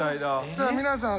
さあ皆さん。